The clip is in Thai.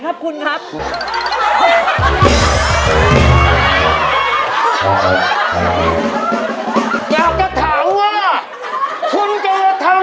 ยังไม่ทันกินนี่เด้งใหญ่เลย